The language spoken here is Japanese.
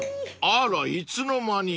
［あらいつの間に］